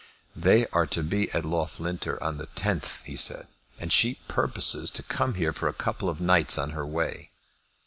"They are to be at Loughlinter on the tenth," he said, "and she purposes to come here for a couple of nights on her way."